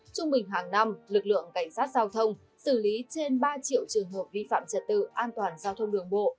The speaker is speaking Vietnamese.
trung bình hàng năm lực lượng cảnh sát giao thông xử lý trên ba triệu trường hợp vi phạm trật tự an toàn giao thông đường bộ